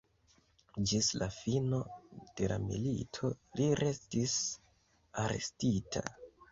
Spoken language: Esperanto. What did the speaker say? Ĝis la fino de la milito li restis arestita.